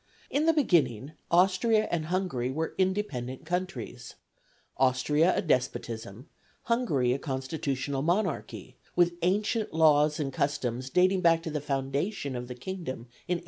In the beginning Austria and Hungary were independent countries Austria a despotism, Hungary a constitutional monarchy, with ancient laws and customs dating back to the foundation of the kingdom in 895.